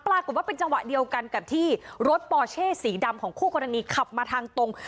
ปรากฏว่าเป็นจังหวะเดียวกันกับที่รถปอเช่สีดำของคู่กรณีขับมาทางตรง